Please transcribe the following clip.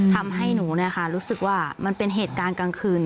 ทำให้หนูรู้สึกว่ามันเป็นเหตุการณ์กลางคืน